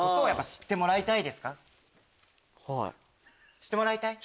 知ってもらいたい。